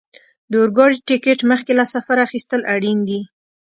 د اورګاډي ټکټ مخکې له سفره اخیستل اړین دي.